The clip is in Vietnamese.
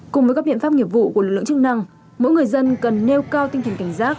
cùng với các biện pháp nghiệp vụ của lực lượng chức năng mỗi người dân cần nêu cao tinh thần cảnh giác